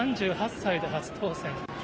３８歳で初当選。